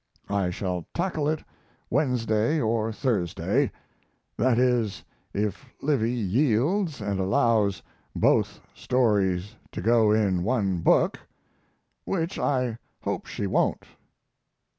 I shall tackle it Wednesday or Thursday; that is, if Livy yields and allows both stories to go in one book, which I hope she won't.